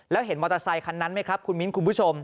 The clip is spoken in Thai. แล้วเห็นมอเตอร์ไซคันนั้นไหมครับคุณมิ้นคุณผู้ชม